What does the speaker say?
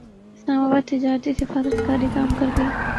اسلام اباد تجارتی سفارت کاری کام کرگئی